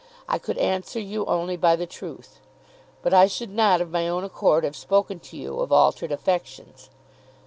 I could answer you only by the truth. But I should not of my own accord have spoken to you of altered affections.